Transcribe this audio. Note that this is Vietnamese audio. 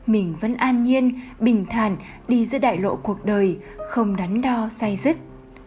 mình vẫn an nhiên bình thàn đi giữa đại lộ cuộc đời không đắn đo say dứt